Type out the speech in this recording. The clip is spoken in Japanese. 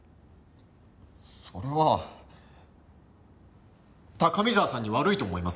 それは高見沢さんに悪いと思います。